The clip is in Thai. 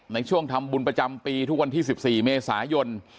ในช่วงทำบุญประจำปีทุกวันที่๑๔เมษายน